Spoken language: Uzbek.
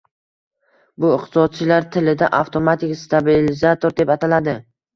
Bu iqtisodchilar tilida "avtomatik stabilizator" deb ataladi